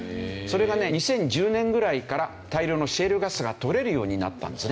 それがね２０１０年ぐらいから大量のシェールガスが取れるようになったんですね。